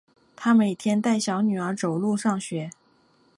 她每天带小女儿走路上学